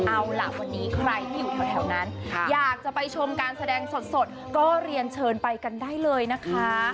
เอาล่ะวันนี้ใครที่อยู่แถวนั้นอยากจะไปชมการแสดงสดก็เรียนเชิญไปกันได้เลยนะคะ